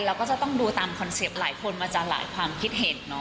เราก็จะต้องดูตามคอนเซ็ปต์หลายคนมาจากหลายความคิดเห็นเนาะ